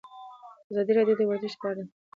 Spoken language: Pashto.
ازادي راډیو د ورزش په اړه د حکومت اقدامات تشریح کړي.